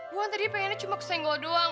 gue kan tadinya pengennya cuma kesenggol doang